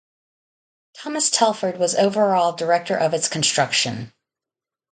Thomas Telford was overall director of its construction.